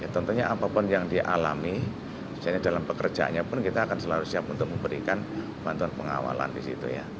tentunya apapun yang dialami dalam pekerjanya pun kita akan selalu siap untuk memberikan bantuan pengawalan di situ ya